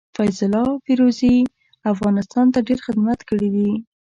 فيض الله فيروزي افغانستان ته ډير خدمت کړي دي.